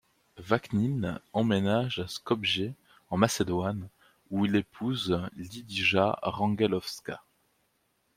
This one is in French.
Vaknin emménage à Skopje, en Macedoine, où il épouse Lidija Rangelovska.